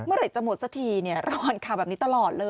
เมื่อไหร่จะหมดสักทีเนี่ยเราอ่านข่าวแบบนี้ตลอดเลย